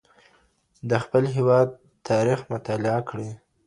د خپل هېواد تاريخ مطالعه کړئ.